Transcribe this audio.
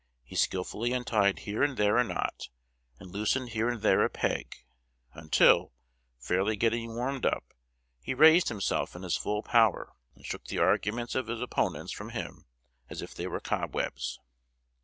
He skilfully untied here and there a knot, and loosened here and there a peg, until, fairly getting warmed up, he raised himself in his full power, and shook the arguments of his opponents from him as if they were cobwebs."